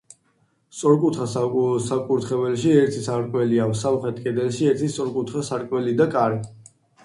სწორკუთხა საკურთხეველში ერთი სარკმელია, სამხრეთ კედელში ერთი სწორკუთხა სარკმელი და კარი.